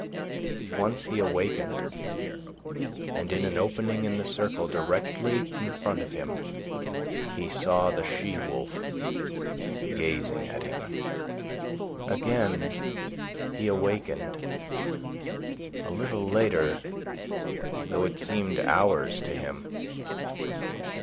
Once he awakened, and in an opening in the circle, directly in front of him, he saw the she wolf gazing at him. Again he awakened, a little later, though it seemed hours to him.